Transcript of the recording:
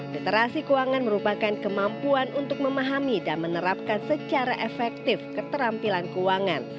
literasi keuangan merupakan kemampuan untuk memahami dan menerapkan secara efektif keterampilan keuangan